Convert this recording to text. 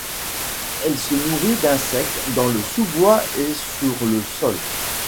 Elle se nourrit d'insectes dans le sous-bois et sur le sol.